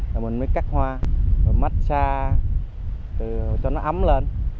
rồi mình mới cắt hoa rồi mát xa cho nó ấm lên